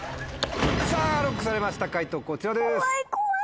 さぁＬＯＣＫされました解答こちらです。